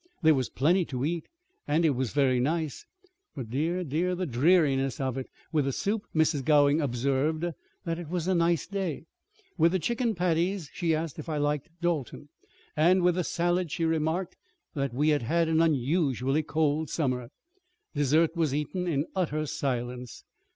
There was plenty to eat, and it was very nice. But, dear, dear, the dreariness of it! With the soup Mrs. Gowing observed that it was a nice day. With the chicken patties she asked if I liked Dalton; and with the salad she remarked that we had had an unusually cold summer. Dessert was eaten in utter silence.